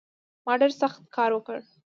ما ډېر سخت کار وکړ